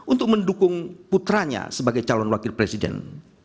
untuk mendukung putranya sebagai calon wakil presiden